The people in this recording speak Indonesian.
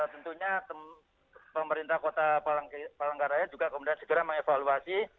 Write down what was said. tentunya pemerintah kota palangkaraya juga kemudian segera mengevaluasi